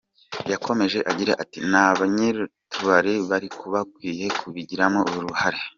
Yakomeje agira ati “Na ba nyir’utubari bari bakwiye kubigiramo uruhare.